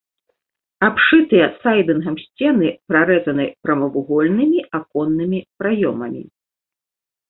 Абшытыя сайдынгам сцены прарэзаны прамавугольнымі аконнымі праёмамі.